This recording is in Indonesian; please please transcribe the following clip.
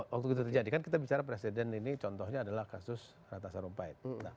waktu itu terjadi kan kita bicara presiden ini contohnya adalah kasus ratna sarumpait